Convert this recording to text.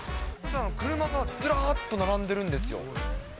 車がずらーっと並んでいるんですよ。